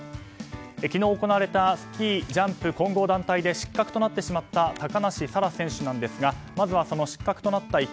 昨日行われたスキージャンプ混合団体で失格となってしまった高梨沙羅選手なんですがまずは失格となった